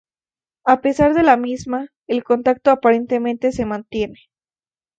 A pesar de la misma, el contacto aparentemente se mantiene.